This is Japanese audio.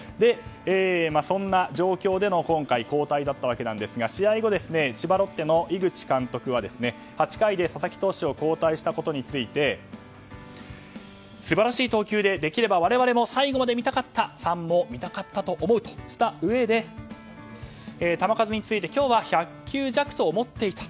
そんな状況での今回、交代でしたが試合後、千葉ロッテの井口監督は８回で佐々木投手を交代したことについて素晴らしい投球でできれば我々も最後まで見たかったファンも見たかったと思うとしたうえで球数について今日は１００球弱と思っていた。